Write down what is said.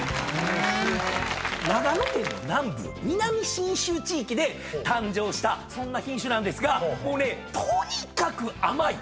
長野県の南部南信州地域で誕生したそんな品種なんですがもうねとにかく甘い！